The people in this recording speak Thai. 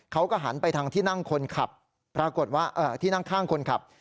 เขาก็หันไปทางที่นั่งข้างคนขับ